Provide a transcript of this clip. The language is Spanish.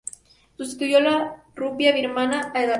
Sustituyó a la rupia birmana a la par.